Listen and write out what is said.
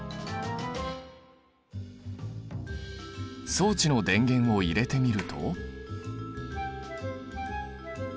装置の電源を入れてみると。